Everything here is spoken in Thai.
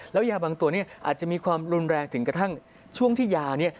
แล้วยาบางตัวนี้อาจจะมีความรุนแรงถึงกระทั่งช่วงที่ยาเนี่ย